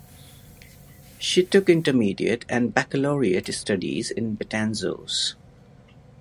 She took intermediate and baccalaureate studies in Betanzos.